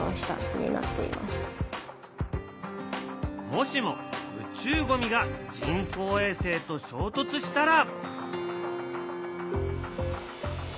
もしも宇宙ゴミが人工衛星と衝突したら。